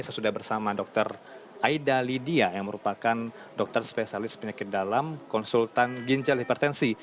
saya sudah bersama dr aida lydia yang merupakan dokter spesialis penyakit dalam konsultan ginjal hipertensi